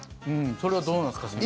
それはどうなんですかね。